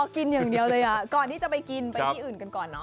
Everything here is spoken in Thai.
ก่อนที่จะไปกินไปที่อื่นกันก่อน